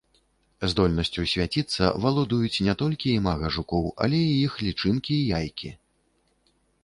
Здольнасцю свяціцца валодаюць не толькі імага жукоў, але і іх лічынкі і яйкі.